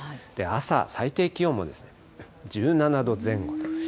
朝、最低気温も１７度前後と。